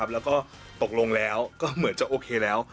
แล้วก็ตกลงแล้วก็เหมือนจะโอเคแล้ว